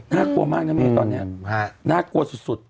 น่ากลัวมากนะเมฆตอนนี้น่ากลัวสุด